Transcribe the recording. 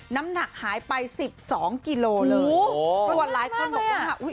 น้ำหนักหายไปสิบสองกิโลเลยโอ้โหส่วนหลายคนบอกว่าอุ้ย